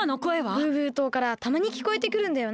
ブーブー島からたまにきこえてくるんだよね。